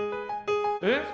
えっ！？